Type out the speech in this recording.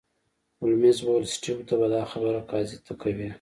هولمز وویل سټیو ته به دا خبره قاضي ته کوې